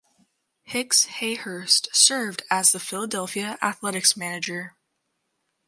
Hicks Hayhurst served as the Philadelphia Athletics manager.